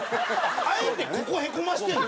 あえてここへこませてるの？